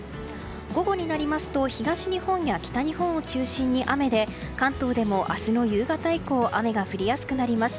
午後になりますと東日本や北日本を中心に雨で関東でも明日の夕方以降雨が降りやすくなります。